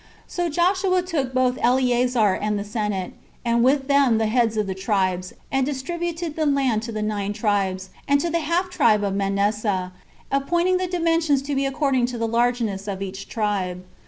22. So Joshua took both Eleazar and the senate, and with them the heads of the tribes, and distributed the land to the nine tribes, and to the half tribe of Manasseh, appointing the dimensions to be according to the largeness of each tribe.